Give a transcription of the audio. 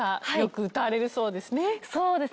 そうですね。